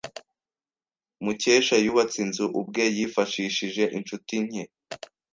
Mukesha yubatse inzu ubwe yifashishije inshuti nke.